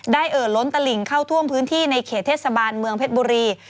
เอ่อล้นตลิ่งเข้าท่วมพื้นที่ในเขตเทศบาลเมืองเพชรบุรี